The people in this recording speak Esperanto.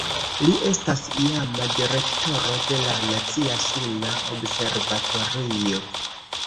Li estas iama direktoro de la Nacia Suna Observatorio.